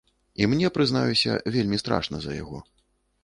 І мне прызнаюся вельмі страшна за яго.